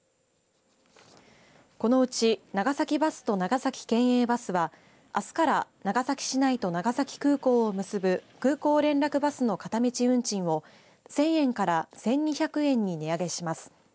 このうち長崎バスと長崎県営バスはあすから長崎市内と長崎空港を結ぶ空港連絡バスの片道運賃を１０００円から１２００円に値上げします。